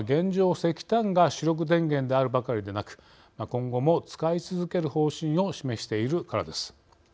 石炭が主力電源であるばかりでなく今後も使い続ける方針を示しているからです。